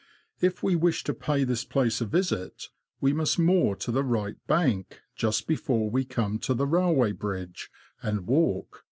If we wish to pay this place a visit, we must moor to the right bank just before we come to the railway bridge, and walk.